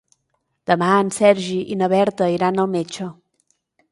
Demà en Sergi i na Berta iran al metge.